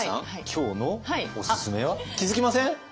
今日のオススメは気付きません？